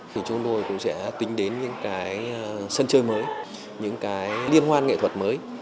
thì chúng tôi cũng sẽ tính đến những cái sân chơi mới những cái liên hoan nghệ thuật mới